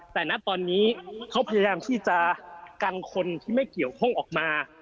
แต่ณตอนนี้เขาพยายามที่จะกังคนที่ไม่เกี่ยวข้องออกมา